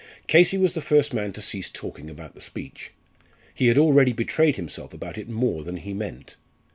Casey was the first man to cease talking about the speech. He had already betrayed himself about it more than he meant.